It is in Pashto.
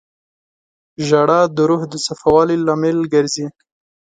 • ژړا د روح د صفا والي لامل ګرځي.